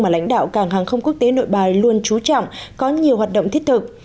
mà lãnh đạo cảng hàng không quốc tế nội bài luôn trú trọng có nhiều hoạt động thiết thực